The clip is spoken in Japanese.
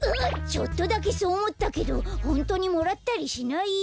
ちょっとだけそうおもったけどほんとにもらったりしないよ。